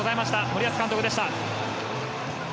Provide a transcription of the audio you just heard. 森保監督でした。